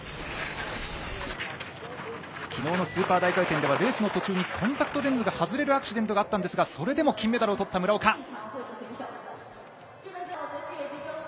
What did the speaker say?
きのうのスーパー大回転ではレースの途中にコンタクトレンズが外れるアクシデントがあったんですがそれでも金メダルを取った村岡。